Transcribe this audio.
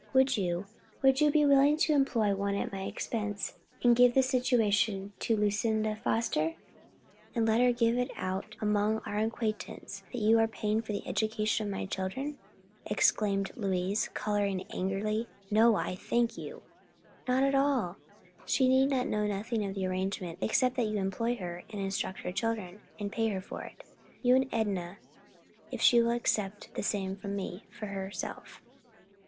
Would you would you be willing to employ one at my expense, and give the situation to Lucinda Foster?" "And let her give it out among our acquaintance that you were paying for the education of my children!" exclaimed Louise, coloring angrily. "No, I thank you." "Not at all; she need know nothing of the arrangement except that you employ her to instruct your children, and pay her for it. You and Enna, if she will accept the same from me, for herself."